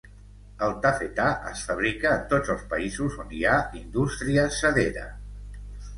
El tafetà es fabrica en tots els països on hi ha indústria sedera.